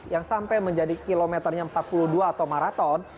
yang sampai menjadi kilometernya empat puluh dua atau maraton